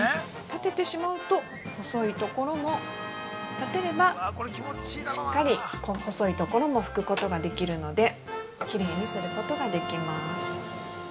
立ててしまうと、細いところも立てれば、しっかりこの細いところも拭くことができるので、きれいにすることができます。